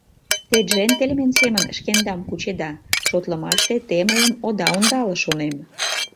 Те джентльмен семын шкендам кучеда, шотлымаште те мыйым ода ондале, шонем.